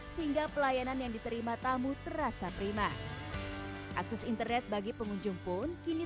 sehingga pelayanan yang diterima tamu terasa prima akses internet bagi pengunjung pun kini